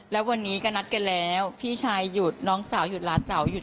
แล้ววันนี้ก็นัดกันแล้วพี่ชายหยุดน้องสาวหยุดหลานสาวหยุด